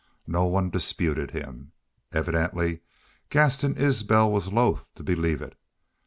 No one disputed him. Evidently Gaston Isbel was loath to believe it.